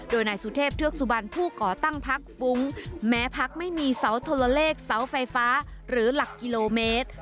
โดยนายสุเทพเทือกสุบันผู้ก่อตั้งพักฟุ้งแม้พักไม่มีเสาทลเลขเสาไฟฟ้าหรือหลักกิโลเมตร